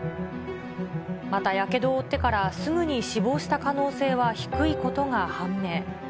また、やけどを負ってからすぐに死亡した可能性は低いことが判明。